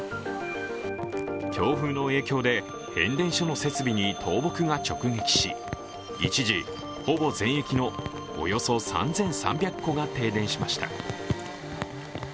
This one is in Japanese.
強風の影響で変電所の設備に倒木が直撃し一時、ほぼ全域のおよそ３３００戸が停電しました。